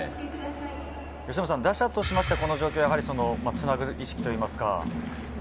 由伸さん、打者としてはこの状況はつなぐ意識というか。